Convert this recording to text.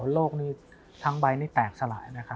โลกทั้งใบนี้แตกสลาย